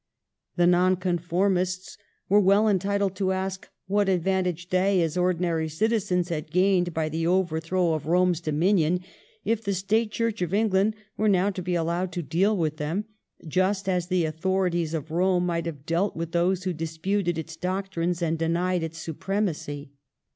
The Nonconformists were well entitled to ask what ad vantage they, as ordinary citizens, had gained by the overthrow of Eome's domination if the State Church of England were now to be allowed to deal with them just as the authorities of Eome might have dealt with those who disputed its doctrines and denied its supremacy.